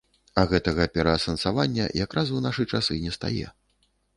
А гэтага пераасэнсавання як раз у нашы часы не стае.